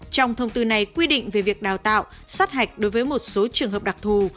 trong thông tư này quy định về việc đào tạo sát hạch đối với một số trường hợp đặc thù